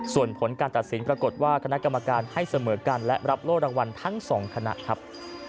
ส่วนผลการตัดสินปรากฏว่าคณะกรรมการให้เสมอกันและรับโล่รางวัลทั้ง๒คณะครับ